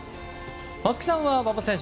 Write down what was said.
松木さんは馬場選手